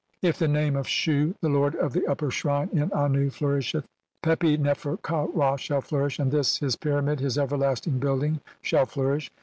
If the "name of Shu, the lord of the upper shrine in Annu, "flourisheth Pepi Nefer ka Ra shall flourish, and this his "pyramid, his everlasting building, shall flourish.